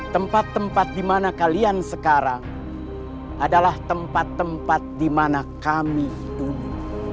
tempat tempat di mana kalian sekarang adalah tempat tempat di mana kami dulu